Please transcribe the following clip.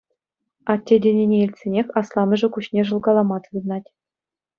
«Атте» тенине илтсенех асламӑшӗ куҫне шӑлкалама тытӑнать.